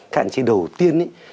cái hạn chế đầu tiên